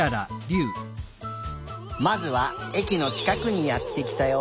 まずはえきのちかくにやってきたよ。